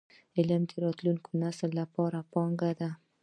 علم د راتلونکي نسل لپاره پانګه ده.